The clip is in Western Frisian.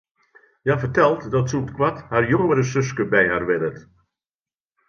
Hja fertelt dat sûnt koart har jongere suske by har wennet.